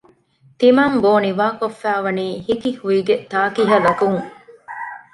ތިމަން ބޯ ނިވާކޮށްފައިވަނީ ހިކިހުއިގެ ތާކިހަލަކުން